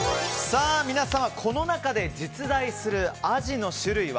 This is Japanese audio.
皆様この中で実在するアジの種類は？